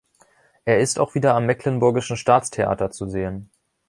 Er ist auch wieder am Mecklenburgischen Staatstheater zu sehen.